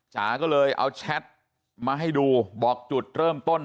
จ๋าก็เลยเอาแชทมาให้ดูบอกจุดเริ่มต้น